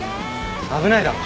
危ないだろ。